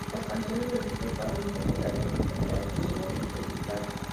Las canciones del disco estaban interpretadas en su totalidad por Simon y su guitarra.